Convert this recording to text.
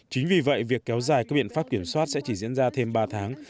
chính vì vậy việc kéo dài các biện pháp kiểm soát sẽ chỉ diễn ra thêm ba tháng